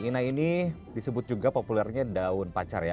ina ini disebut juga populernya daun pacar ya